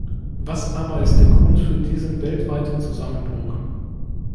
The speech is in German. Was aber ist der Grund für diesen weltweiten Zusammenbruch?